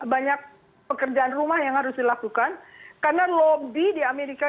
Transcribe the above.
banyak pekerjaan rumah yang harus dilakukan karena lobby di amerika